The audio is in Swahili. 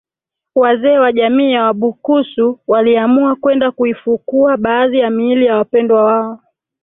wazee wa jamii ya Wabukusu waliamua kwenda kuifukua baadhi ya miili ya wapendwa wao